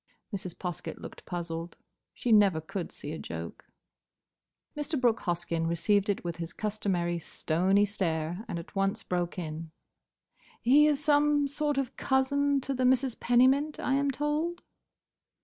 Mrs. Poskett looked puzzled. She never could see a joke. Mr. Brooke Hoskyn received it with his customary stony stare and at once broke in. "He is some sort of cousin to the Misses Pennymint, I am told?"